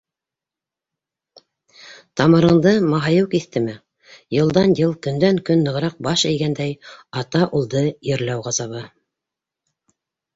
Тамырыңды маһайыу киҫтеме, Йылдан-йыл, көндән-көн нығыраҡ Баш эйгәндәй, Ата улды ерләү ғазабы.